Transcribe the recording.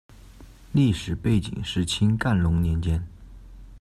历史背景是清干隆年间。